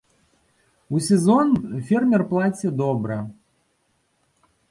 У сезон фермер плаціць добра.